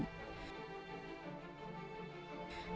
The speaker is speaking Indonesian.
di tengah kegaduhan